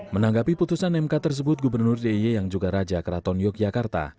menanggapi putusan mk tersebut gubernur d i e yang juga raja keraton yogyakarta